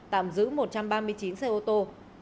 tạm giữ một trăm ba mươi chín xe ô tô